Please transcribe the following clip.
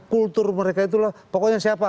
kultur mereka itulah pokoknya siapa